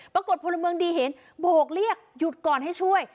พลเมืองดีเห็นโบกเรียกหยุดก่อนให้ช่วย